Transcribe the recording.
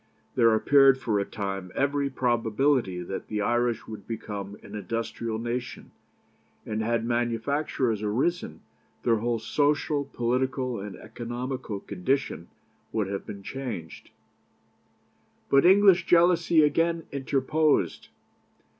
There appeared for a time every probability that the Irish would become an industrial nation, and, had manufactures arisen, their whole social, political, and economical condition would have been changed. But English jealousy again interposed.